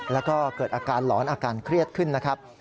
แล้วก็เกิดอาการหลอนอาการเครียดขึ้นนะครับ